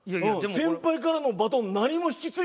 先輩からのバトン何も引き継いでないよ。